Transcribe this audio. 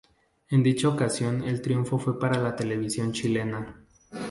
En dicha ocasión el triunfo fue para la televisión chilena.